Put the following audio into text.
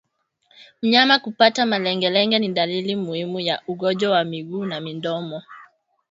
Mnyama kupata malengelenge ni dalili muhimu ya ugonjwa wa miguu na midomo